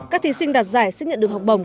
các thí sinh đạt giải sẽ nhận được học bổng